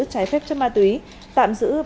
trái phép chất ma túy tạm giữ